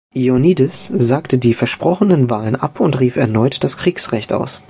Ioannidis sagte die versprochenen Wahlen ab und rief erneut das Kriegsrecht aus.